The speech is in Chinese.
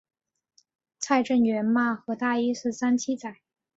蔡正元骂何大一是三七仔。